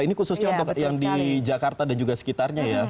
ini khususnya untuk yang di jakarta dan juga sekitarnya ya